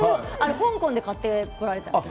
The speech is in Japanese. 香港で買ってこられたそうです。